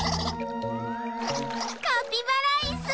カピバライス！